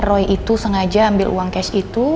roy itu sengaja ambil uang cash itu